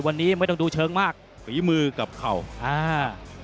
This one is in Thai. วันนี้ไม่ต้องดูเชิงมากฝีมือกับเข่าอ่า